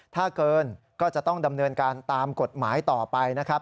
ถ้าเกินก็จะต้องดำเนินการตามกฎหมายต่อไปนะครับ